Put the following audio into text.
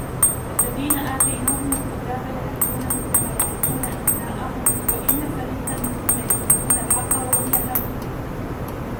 الَّذِينَ آتَيْنَاهُمُ الْكِتَابَ يَعْرِفُونَهُ كَمَا يَعْرِفُونَ أَبْنَاءَهُمْ وَإِنَّ فَرِيقًا مِنْهُمْ لَيَكْتُمُونَ الْحَقَّ وَهُمْ يَعْلَمُونَ